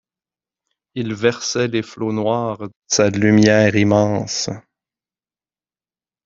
Il versait les flots noirs de sa lumière immense